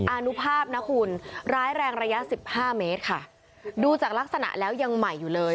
อนุภาพนะคุณร้ายแรงระยะสิบห้าเมตรค่ะดูจากลักษณะแล้วยังใหม่อยู่เลย